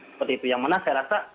seperti itu yang mana saya rasa